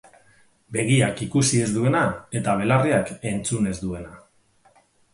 Begiak ikusi ez duena eta belarriak entzun ez duena.